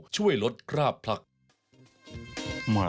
ช่วยลดกร้าบพลักษณ์